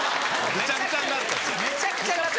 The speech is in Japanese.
めちゃくちゃになった。